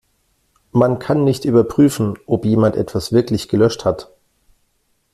Man kann nicht überprüfen, ob jemand etwas wirklich gelöscht hat.